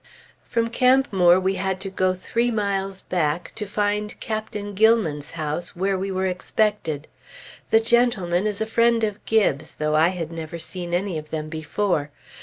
From Camp Moore we had to go three miles back, to find Captain Gilman's house where we were expected. The gentleman is a friend of Gibbes, though I had never seen any of them before.